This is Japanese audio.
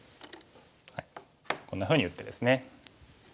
こんなふうに打ってですね。